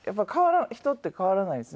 人って変わらないです